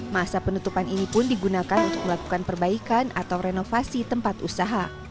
masa penutupan ini pun digunakan untuk melakukan perbaikan atau renovasi tempat usaha